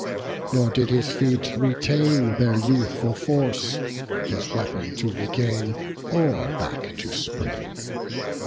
Nor did his feet retain their youthful force, His weapon to regain, or back to spring.